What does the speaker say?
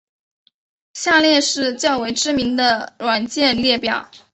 下列是较为知名的软件列表。